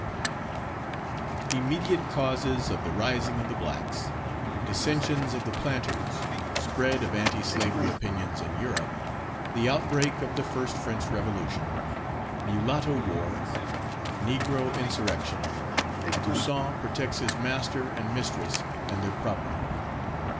* Immediate causes of the rising of the blacks Dissensions of the planters Spread of anti slavery opinions in Europe The outbreak of the first French Revolution Mulatto war Negro insurrection Toussaint protects his master and mistress, and their property.